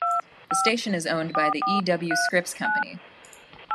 The station is owned by the E. W. Scripps Company.